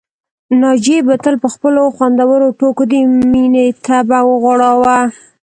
ناجيې به تل په خپلو خوندورو ټوکو د مينې طبع وغوړاوه